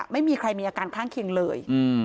ไม่มีใครมีอาการข้างเคียงเลย